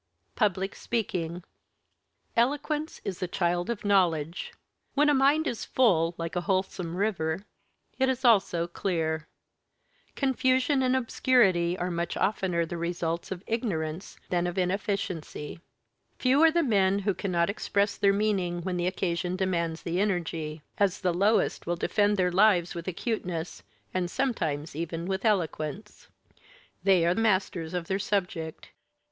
PUBLIC SPEAKING Eloquence is the child of Knowledge. When a mind is full, like a wholesome river, it is also clear. Confusion and obscurity are much oftener the results of ignorance than of inefficiency. Few are the men who cannot express their meaning when the occasion demands the energy; as the lowest will defend their lives with acuteness, and sometimes even with eloquence. They are masters of their subject.